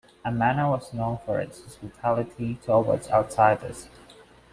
Amana was known for its hospitality towards outsiders.